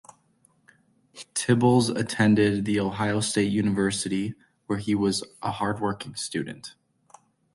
Tibbals attended the Ohio State University, where he was a hard working student.